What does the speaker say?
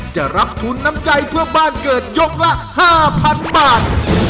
จะรับทุนน้ำใจเพื่อบ้านเกิดยกละ๕๐๐๐บาท